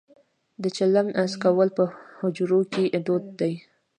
د چلم څکول په حجرو کې دود دی.